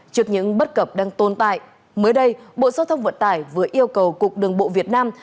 trước những bất cập đang tồn tại mới đây bộ giao thông vận tải vừa yêu cầu cục đường bộ việt nam